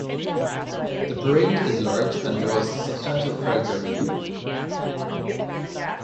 The parade is large and draws substantial crowds each year.